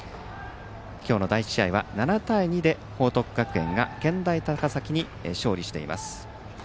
今日の第１試合は７対２で報徳学園が健大高崎に勝利しています。